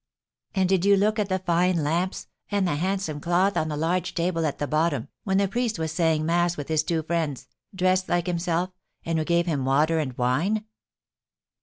"And did you look at the fine lamps, and the handsome cloth on the large table at the bottom, when the priest was saying mass with his two friends, dressed like himself, and who gave him water and wine?"